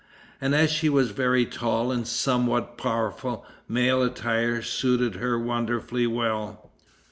As she was very tall and somewhat powerful, male attire suited her wonderfully well.